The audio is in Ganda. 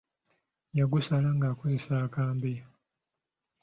Yagusala ng'akozesa akambe.